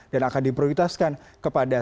dan akan diprioritaskan kepada